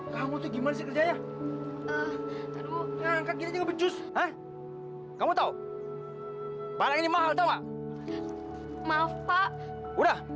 kamu tuh gimana sih kerjanya kamu tahu tahu